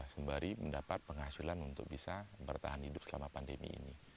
sembari mendapat penghasilan untuk bisa bertahan hidup selama pandemi ini